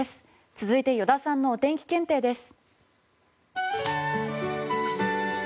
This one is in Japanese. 続いて依田さんのお天気検定です。